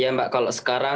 ya mbak kalau sekarang